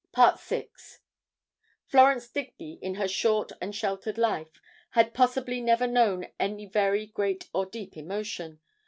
VI Florence Digby, in her short and sheltered life, had possibly never known any very great or deep emotion.